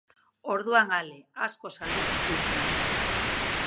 Orduan, ale asko saldu zituzten.